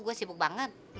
gue sibuk banget